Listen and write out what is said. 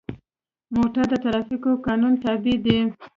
موټر د ټرافیکو قانون تابع دی.